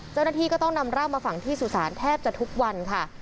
เจ้าหน้าที่ก็ต้องนำร่างมาฝังที่สุสานแทบจะทุกวันค่ะ